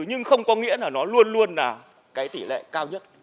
nhưng không có nghĩa là nó luôn luôn là cái tỷ lệ cao nhất